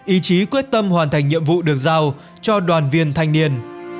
ý chí quyết tâm hoàn thành nhiệm vụ được giao cho đoàn viên thanh niên